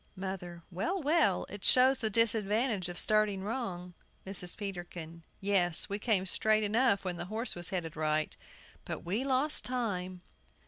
MOTHER. Well, well; it shows the disadvantage of starting wrong. MRS. PETERKIN. Yes, we came straight enough when the horse was headed right; but we lost time.